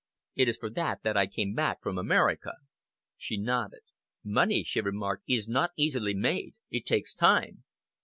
It is for that that I came back from America." She nodded. "Money," she remarked, "is not easily made. It takes time."